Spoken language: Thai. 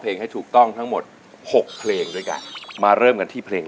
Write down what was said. ให้ถูกต้องทั้งหมดหกเพลงด้วยกันมาเริ่มกันที่เพลง